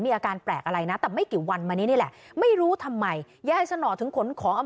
ไม่อยากให้แม่เป็นอะไรไปแล้วนอนร้องไห้แท่ทุกคืน